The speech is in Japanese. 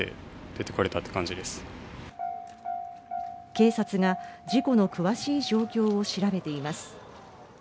警察が事故の詳しい状況を調べています。